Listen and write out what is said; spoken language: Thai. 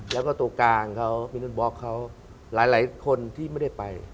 และก็โตกลางเขาปินยนบอกเขาหลายคนที่ไม่ได้ไป